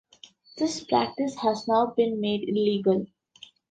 This practice has now been made illegal.